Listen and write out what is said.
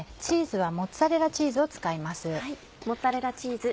チーズはモッツァレラチーズを使います。